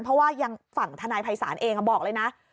เพราะว่ายังฝั่งทนายภัยศาลเองบอกเลยนะ